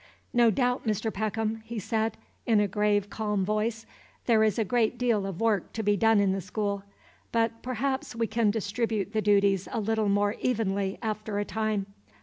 "No doubt, Mr. Peckham," he said, in a grave, calm voice, "there is a great deal of work to be done in the school; but perhaps we can distribute the duties a little more evenly after a time.